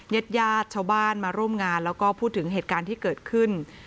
ญาติญาติชาวบ้านมาร่วมงานแล้วก็พูดถึงเหตุการณ์ที่เกิดขึ้น